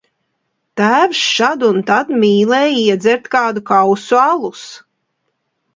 Tēvs šad un tad mīlēja iedzert kādu kausu alus.